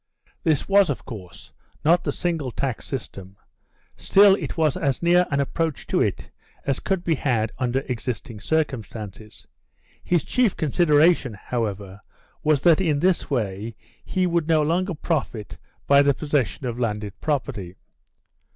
This was, of course, not the single tax system, still it was as near an approach to it as could be had under existing circumstances. His chief consideration, however, was that in this way he would no longer profit by the possession of landed property.